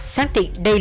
sáng tịnh đề lộn